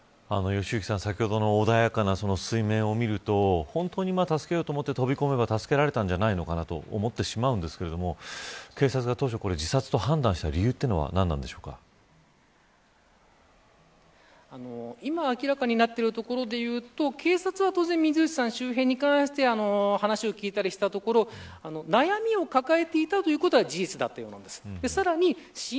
先ほどの穏やかな水面を見ると本当に助けようと飛び込めば助けられたんじゃないかなと思ってしまうんですが警察が当初、自殺と判断した今明らかになっているところで言うと警察は当初、水内さん周辺に関して話を聞いたりしたところ悩みを抱えていたということは事実だったようです。